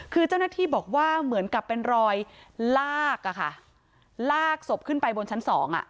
คือเจ้าหน้าที่บอกว่าเหมือนกับเป็นรอยลากอะค่ะลากศพขึ้นไปบนชั้นสองอ่ะ